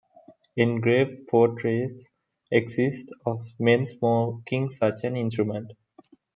Engraved portraits exist of men smoking such an instrument.